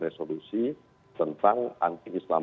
resolusi tentang anti islam